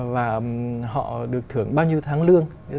và họ được thưởng bao nhiêu tháng lương